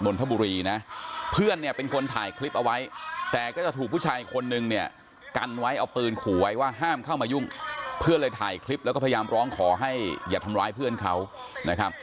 นทบุรีนะเพื่อนเนี่ยเป็นคนถ่ายคลิปเอาไว้แต่ก็จะถูกผู้ชายคนนึงเนี่ยกันไว้เอาปืนขู่ไว้ว่าห้ามเข้ามายุ่งเพื่อนเลยถ่ายคลิปแล้วก็พยายามร้องขอให้อย่าทำร้ายเพื่อนเขานะครับ